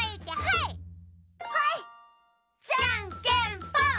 じゃんけんぽん！